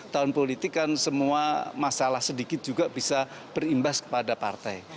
tahun politik kan semua masalah sedikit juga bisa berimbas kepada partai